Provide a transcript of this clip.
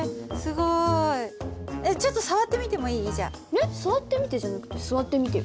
えっ触ってみてじゃなくて座ってみてよ。